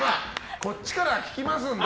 こっちから聞きますんで。